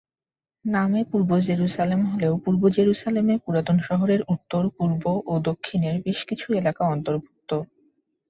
নামে পূর্ব জেরুসালেম হলেও পূর্ব জেরুসালেমে পুরাতন শহরের উত্তর, পূর্ব ও দক্ষিণের বেশ কিছু এলাকা অন্তর্ভুক্ত।